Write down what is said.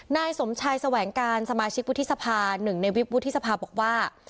นายสมชายแสวงการสมาชิกวุฒิสภาหนึ่งในวิบวุฒิสภาบอกว่า